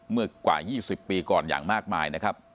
เมื่อกว่า๒๐ปีก่อนอย่างมากมายนะครับ